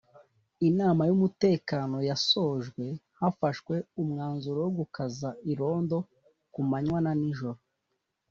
Inama y’umutekano yasojwe hafashwe umwanzuro wo gukaza irondo ku manwa na n’ijoro